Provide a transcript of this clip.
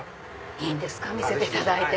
いいんですか見せていただいて。